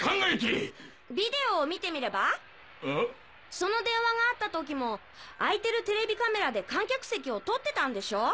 その電話があった時も空いてるテレビカメラで観客席を撮ってたんでしょ？